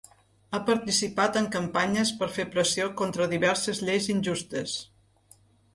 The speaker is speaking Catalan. Ha participat en campanyes per fer pressió contra diverses lleis injustes.